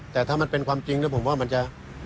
แต่ถ้ามันเป็นความจริงแล้วผมว่ามันจะ